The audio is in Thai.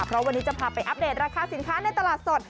เพราะวันนี้จะพาไปอัปเดตราคาสินค้าในตลาดสด